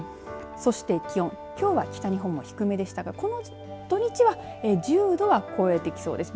そして気温きょうは北日本は低めでしたがこの土日は１０度は超えてきそうです。